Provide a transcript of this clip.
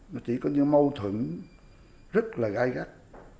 nó chỉ có những mâu thuẫn rất là gai gắt